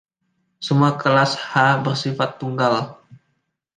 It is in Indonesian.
Semua kelas “H” bersifat tunggal.